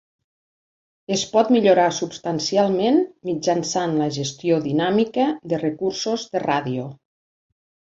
Es pot millorar substancialment mitjançant la gestió dinàmica de recursos de ràdio.